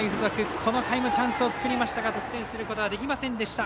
この回もチャンスを作りましたが得点することはできませんでした。